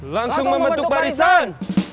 langsung membentuk barisan